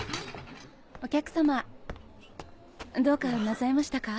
お客さまどうかなさいましたか？